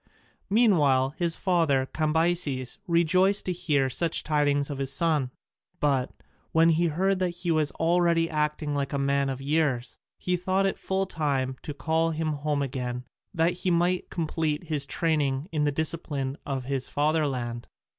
Meanwhile his father, Cambyses, rejoiced to hear such tidings of his son; but, when he heard that he was already acting like a man of years, he thought it full time to call him home again that he might complete his training in the discipline of his fatherland.